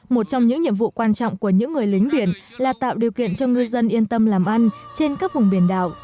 một trong những nhiệm vụ quan trọng của những người lính biển là tạo điều kiện cho ngư dân yên tâm làm ăn trên các vùng biển đảo